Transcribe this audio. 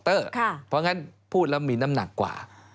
เพราะงั้นพูดแล้วมีน้ำหนักกว่า